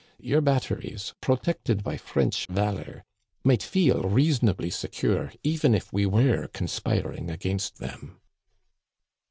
Your batteries, protected by French valor, might feel reasonably secure even if we were con spiring against them."